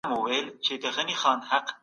حقوقپوهان کله د سوله ییز لاریون اجازه ورکوي؟